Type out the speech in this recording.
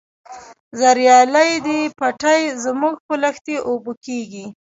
زریالي دي پټی زموږ په لښتي اوبه کیږي.